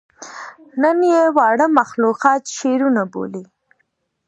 نن ئې واړه مخلوقات شعرونه بولي